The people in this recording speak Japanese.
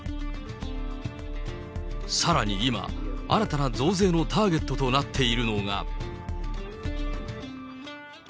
さらに今、新たな増税のターゲットとなっているのが。